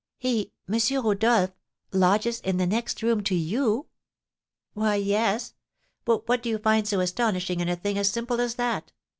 "He M. Rodolph lodges in the next room to you?" "Why, yes. But what do you find so astonishing in a thing as simple as that?